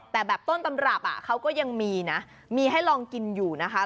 แต่แบบต้นตำรับเขาก็ยังมีนะมีให้ลองกินอยู่นะคะ